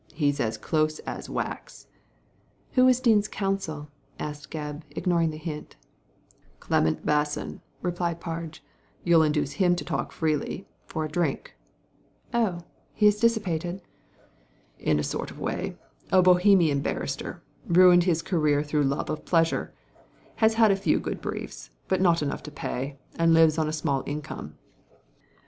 " He's as close as wax/' *• Who was Dean's counsel ?" asked Gebb, ignoring the hint "Clement Basson," replied Parge; "you'll induce him to talk freely — for a drink/' Oh ! he is dissipated ?" Digitized by Google ^6 THE LADY FROM NOWHERE '* In a sort of way. A Bohemian barrister : ruined his career through love of pleasure. Has had a few briefs, but not enough to pay« and lives on a small income."